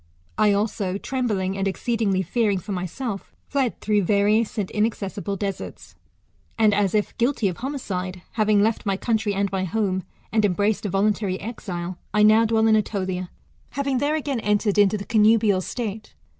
I also, trembling, and exceedingly fearing for my self, fled through vadous and inaccessible deserts ; and, as if guilty of homicide, having left my country and my home, and embraced a voluntary exile, I now dwell in Etolia. having there again entered into the connubial state.